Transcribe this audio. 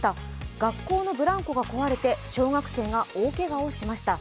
学校のブランコが壊れて小学生が大けがをしました。